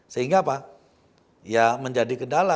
sehingga apa ya menjadi kendala